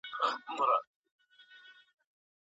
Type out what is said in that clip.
کله باید له مجازي نړۍ څخه وقفه واخلو؟